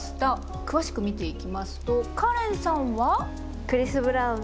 詳しく見ていきますとかれんさんは？